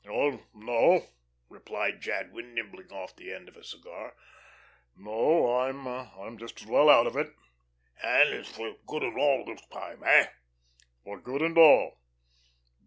"Oh, no," replied Jadwin, nibbling off the end of a cigar. "No, I'm I'm just as well out of it." "And it's for good and all this time, eh?" "For good and all."